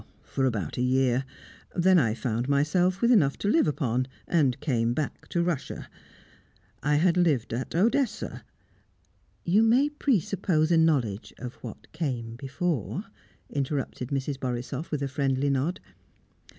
"For about a year. Then I found myself with enough to live upon, and came back to Russia. I had lived at Odessa " "You may presuppose a knowledge of what came before," interrupted Mrs. Borisoff, with a friendly nod.